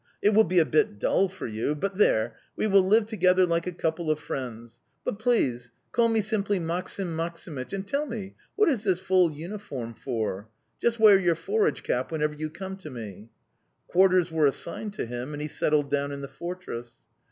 It will be a bit dull for you... but there, we will live together like a couple of friends. But, please, call me simply "Maksim Maksimych"; and, tell me, what is this full uniform for? Just wear your forage cap whenever you come to me!' "Quarters were assigned to him and he settled down in the fortress."